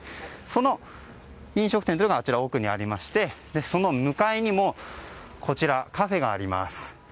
その飲食店というのがあちらの奥にありましてその向かいにもカフェがあります。